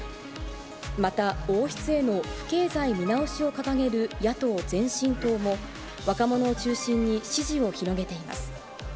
また、王室への不敬罪見直しを掲げる野党・前進党も、若者を中心に支持を広げています。